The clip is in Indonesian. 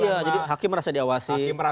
iya jadi hakim merasa diawasi